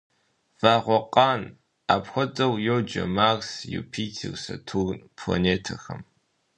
Вагъуэкъан – апхуэдэу йоджэ Марс, Юпитер, Сатурн планетэхэм.